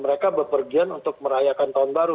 mereka berpergian untuk merayakan tahun baru